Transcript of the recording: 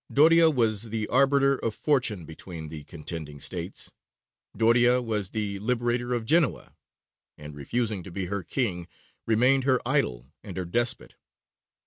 Doria was the arbiter of fortune between the contending states. Doria was the liberator of Genoa, and, refusing to be her king, remained her idol and her despot.